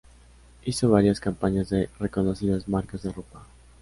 Hizo varias campañas de reconocidas marcas de ropa.